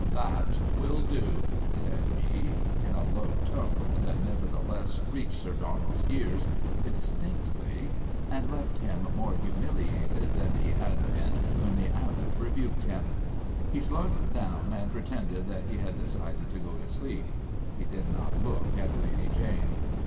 : That will do !" said he, in a low tone that never theless reached Sir Donald's ears distinctly and left him more humiliated than he had been when The Abbot rebuked him. He slunk down and pretended that he had decided to go to sleep. He did not look at Lady Jane.